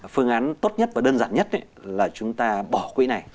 phương án tốt nhất và đơn giản nhất là chúng ta bỏ quỹ này